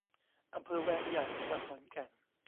อำเภอแวงใหญ่ จังหวัดขอนแก่น